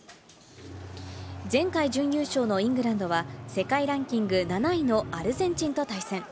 前回準優勝のイングランドは世界ランキング７位のアルゼンチンと対戦。